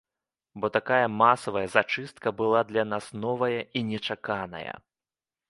Бо такая масавая зачыстка была для нас новая і нечаканая.